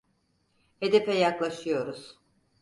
Hedefe yaklaşıyoruz.